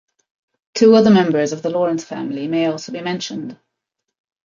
Two other members of the Lawrence family may also be mentioned.